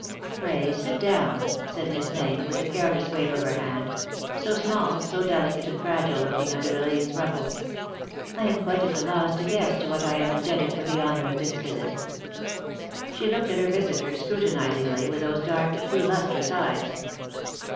^' Pray sit down !" said Miss Mayne, with a careless wave of her hand — so small — so delicate and fragile looking under the lace ruffle ;^^ I am quite at a loss to guess to what I am indebted for the honour of this visit." She looked at her visitor scrutinizingly with those dark, too lustrous eyes.